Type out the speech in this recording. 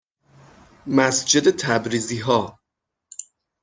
مسجد تبریزیها